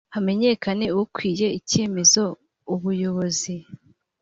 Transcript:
hamenyekane ukwiye icyemezo ubuyobozi